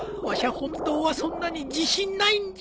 本当はそんなに自信ないんじゃ